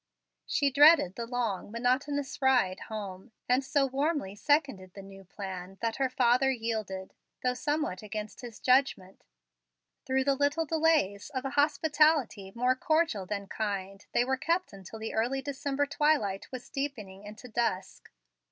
She dreaded the long, monotonous ride home, and so warmly seconded the new plan that her father yielded, though somewhat against his judgment. Through the little delays of a hospitality more cordial than kind, they were kept until the early December twilight was deepening into dusk.